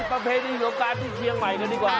ประเพณีสงการที่เชียงใหม่กันดีกว่า